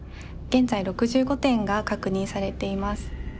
現在６５点が確認されています。